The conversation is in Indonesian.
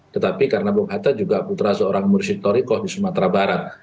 tetapi karena bung hatta juga putra seorang mursyid torikoh di sumatera barat